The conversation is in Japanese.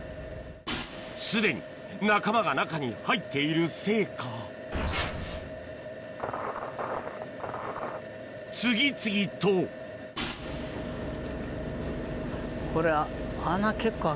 すでに仲間が中に入っているせいか次々とこれは。